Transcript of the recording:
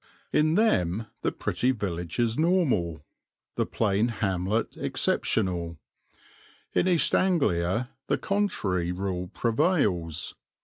In them the pretty village is normal, the plain hamlet exceptional; in East Anglia the contrary rule prevails.